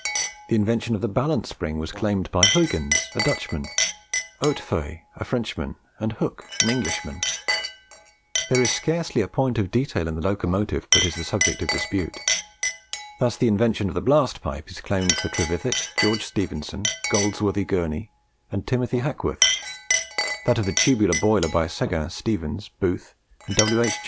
The invention of the balance spring was claimed by Huyghens, a Dutchman, Hautefeuille, a Frenchman, and Hooke, an Englishman. There is scarcely a point of detail in the locomotive but is the subject of dispute. Thus the invention of the blast pipe is claimed for Trevithick, George Stephenson, Goldsworthy Gurney, and Timothy Hackworth; that of the tubular boiler by Seguin, Stevens, Booth, and W. H.